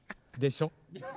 でしょ？